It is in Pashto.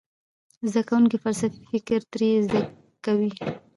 زده کوونکي فلسفي فکر ترې زده کوي.